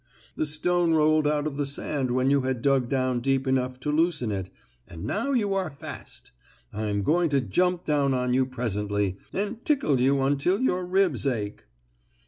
The stone rolled out of the sand when you had dug down deep enough to loosen it, and now you are fast. I'm going to jump down on you presently, and tickle you until your ribs ache."